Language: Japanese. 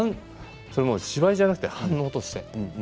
芝居じゃなくて反応として。